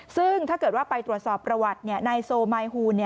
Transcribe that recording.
ซึ่งถ้าเกิดว่าไปตรวจสอบประวัตินายโซมายฮูน